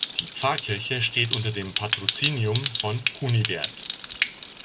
Die Pfarrkirche steht unter dem Patrozinium von Kunibert.